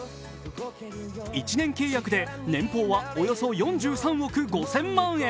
１年契約で年俸はおよそ４３億５０００万円。